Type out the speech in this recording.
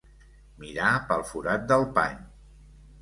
Mirar pel forat del pany.